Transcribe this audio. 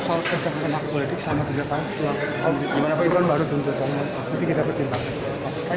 soal pencabut hak politik selama tiga tahun gimana peribuan baru tuntut jadi kita bertimbang